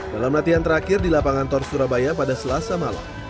dalam latihan terakhir di lapangan tor surabaya pada selasa malam